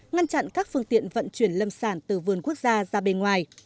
ngăn chặn các phương tiện vận chuyển lâm sản từ vườn quốc gia ra bên ngoài